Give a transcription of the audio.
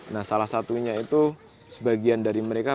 nah salah satunya itu sebagian dari mereka